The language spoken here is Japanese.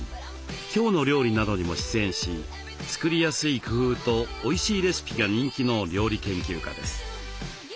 「きょうの料理」などにも出演し作りやすい工夫とおいしいレシピが人気の料理研究家です。